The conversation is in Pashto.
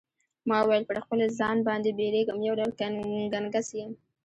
ما وویل پر خپل ځان باندی بیریږم یو ډول ګنګس یم.